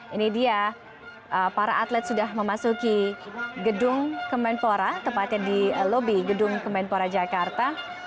ini dia para atlet sudah memasuki gedung kemenpora tepatnya di lobi gedung kemenpora jakarta